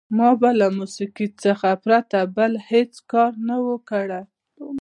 ما به له موسیقۍ څخه پرته بل هېڅ کار نه وای کړی.